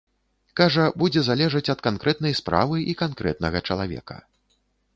Кажа, будзе залежаць ад канкрэтнай справы і канкрэтнага чалавека.